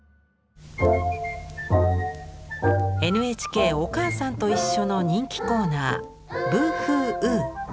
ＮＨＫ「おかあさんといっしょ」の人気コーナー「ブーフーウー」。